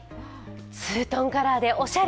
ツートンカラーでおしゃれ。